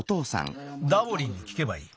ダボリンにきけばいい。